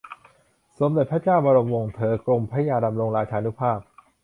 สมเด็จพระเจ้าบรมวงศเธอ กรมพระยาดำรงราชานุภาพ